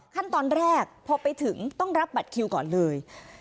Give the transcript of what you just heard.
ขั้นตอนแรกพอไปถึงต้องรับบัตรคิวก่อนเลย